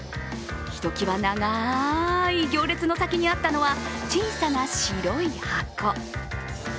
ひときわ長い行列の先にあったのは小さな白い箱。